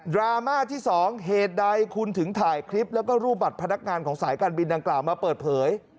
ราม่าที่๒เหตุใดคุณถึงถ่ายคลิปแล้วก็รูปบัตรพนักงานของสายการบินดังกล่าวมาเปิดเผย